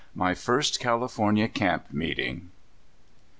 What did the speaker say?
MY FIRST CALIFORNIA CAMP MEETING.